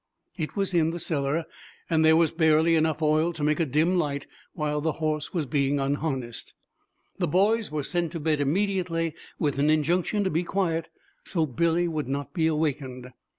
It was in the cellar, and there was barely enough oil to make a dim light while the horse was being unharnessed. The boys were sent to bed immediately, with an injunction to be quiet so Billy would not be awakened.